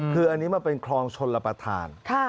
คืออันนี้มาเป็นครองชนรปทาน